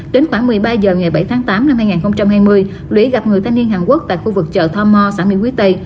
đến khoảng một mươi ba h ngày bảy tháng tám năm hai nghìn hai mươi luy gặp người thanh niên hàn quốc tại khu vực chợ tho mò xã mỹ quý tây